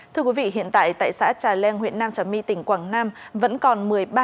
thưa quý vị hiện tại tại xã trà leng huyện nam trà my tỉnh quảng nam